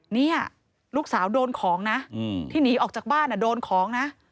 นี่ลูกสาวโดนของนะที่หนีออกจากบ้านโดนของนะ